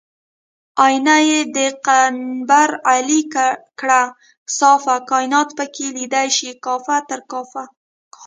آیینه یې د قنبر علي کړه صافه کاینات پکې لیدی شي کاف تر کافه